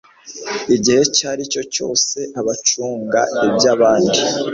Igihe icyo ari cyo cyose abacunga iby abandi